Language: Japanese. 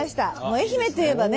愛媛といえばね